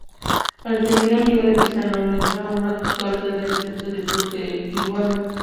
Aretino, amigo de Tiziano, analizaba en una carta el retrato del duque de Urbino.